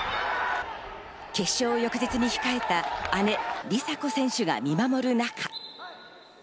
決勝を翌日に控えた姉・梨紗子選手が見守る中。